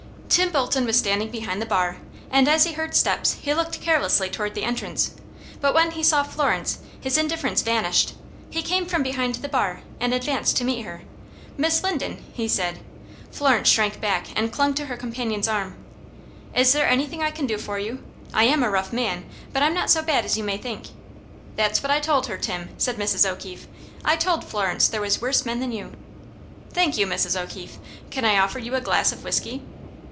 Tim Bolton was standing behind the bar, and as he heard steps he looked carelessly toward the entrance, but when he saw Florence, his indifference vanished. He came from behind the bar, and advanced to meet her. "Miss Linden," he said. Florence shrank back and clung to her companion's arm. "Is there anything I can do for you? I am a rough man, but I'm not so bad as you may think." "That's what I told her, Tim," said Mrs. O'Keefe. "I told Florence there was worse men than you." "Thank you, Mrs. O'Keefe. Can I offer you a glass of whiskey?"